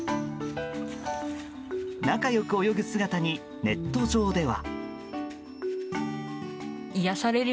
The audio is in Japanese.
仲良く泳ぐ姿にネット上では。